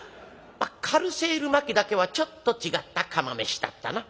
「カルーセル麻紀だけはちょっと違った釜飯だったな」。